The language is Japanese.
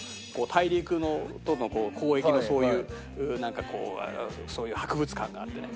大陸との交易のそういうなんかこうそういう博物館があってね。